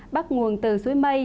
bắt nguồn từ suối mây